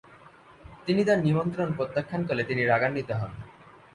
তিনি তার নিমন্ত্রণ প্রত্যাখান করলে তিনি রাগান্বিত হন।